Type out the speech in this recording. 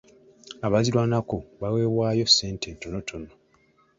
Abaazirwanako baweebwayo ssente etonotono.